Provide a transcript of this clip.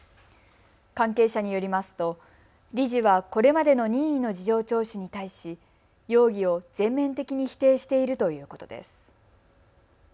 関係者によりますと理事はこれまでの任意の事情聴取に対し容疑を全面的に否定しているということです。